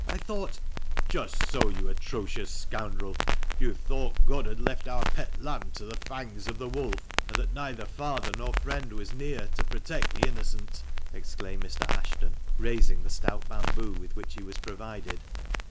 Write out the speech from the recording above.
I thought " "Just so, you atrocious scoundrel, you thought God had left our pet lamb to the fangs of the wolf, and that neither father nor friend was near to protect the innocent !" exclaimed Mr. Ashton, raising the stout bamboo with which he was provided.